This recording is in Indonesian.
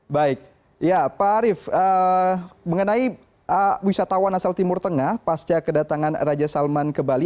baik ya pak arief mengenai wisatawan asal timur tengah pasca kedatangan raja salman ke bali